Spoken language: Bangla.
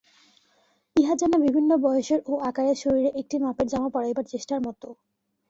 ইহা যেন বিভিন্ন বয়সের ও আকারের শরীরে একটি মাপের জামা পরাইবার চেষ্টার মত।